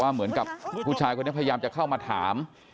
เหมือนกับผู้ชายคนนี้พยายามจะเข้ามาถาม